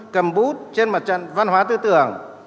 cầm bút trên mặt trận văn hóa tư tưởng